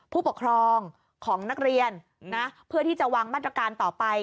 ผู้ปกครองของนักเรียนนะเพื่อที่จะวางมาตรการต่อไป